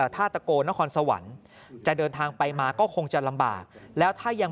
ท่าตะโกนครสวรรค์จะเดินทางไปมาก็คงจะลำบากแล้วถ้ายัง